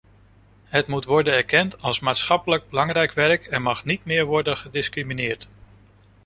Het moet worden erkend als maatschappelijk belangrijk werk en mag niet meer worden gediscrimineerd.